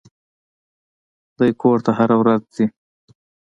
دى کور ته هره ورځ ځي.